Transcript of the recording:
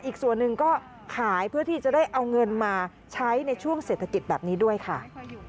อีกส่วนหนึ่งก็ขายเพื่อที่จะได้เอาเงินมาใช้ในช่วงเศรษฐกิจแบบนี้ด้วยค่ะ